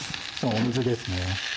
水ですね。